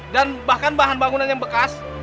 dan bahkan bahan bangunan yang bekas